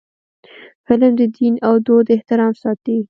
فلم د دین او دود احترام ساتي